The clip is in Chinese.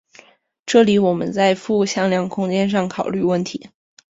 这里我们在复向量空间上考虑问题。